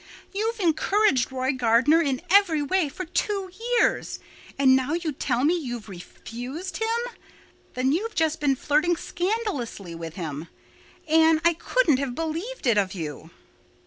You've encouraged Roy Gardner in every way for two years—and now you tell me you've refused him. Then you've just been flirting scandalously with him. Anne, I couldn't have believed it of you."